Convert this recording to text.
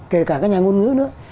kể cả các nhà ngôn ngữ nữa